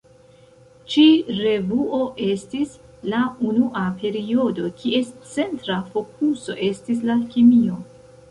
Ĉi-revuo estis la unua periodo kies centra fokuso estis la kemio.